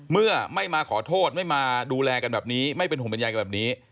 เมื่อไม่มาขอโทษไม่มาดูแลกันแบบนี้ไม่เป็นห่วงเป็นใยกันแบบนี้